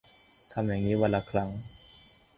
ทำอย่างนี้วันละครั้ง